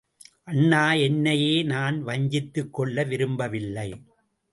அண்ணா, என்னையே நான் வஞ்சித்துக் கொள்ள விரும்பவில்லை.